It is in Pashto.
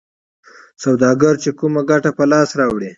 سوداګر چې کومه ګټه په لاس راوړي